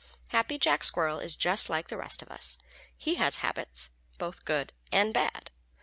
Happy Jack Squirrel is just like the rest of us. He has habits, both good and bad.